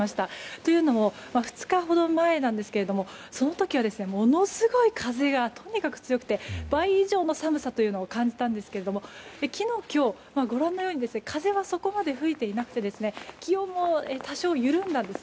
というのも２日ほど前なんですがその時はものすごい風がとにかく強くて倍以上の寒さというのを感じたんですけども昨日、今日ご覧のように風はそこまで吹いていなくて気温も多少、緩んだんです。